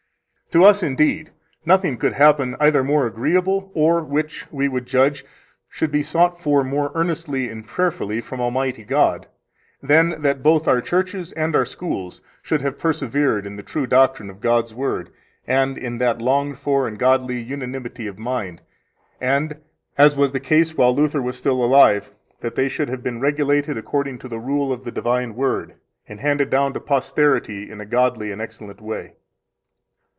5 To us, indeed, nothing could happen, either more agreeable, or which, we would judge, should be sought for more earnestly and prayerfully from Almighty God, than that both our churches and our schools should have persevered in the pure doctrine of God's Word and in that longed for and godly unanimity of mind, and, as was the case while Luther was still alive, that they should have been regulated according to the rule of the divine Word, and handed down to posterity in a godly and excellent way.